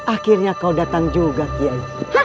akhirnya kau datang juga kiai